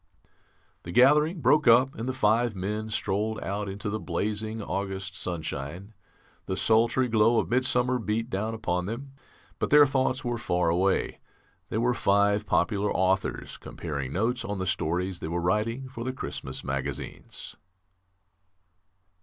'"The gathering broke up, and the five men strolled out into the blazing August sunshine. The sultry glow of midsummer beat down upon them, but their thoughts were far away. They were five popular authors comparing notes on the stories they were writing for the Christmas magazines.